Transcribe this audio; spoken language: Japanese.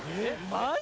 マジ！？